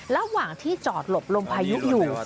ระหว่างที่จอดหลบลมพายุอยู่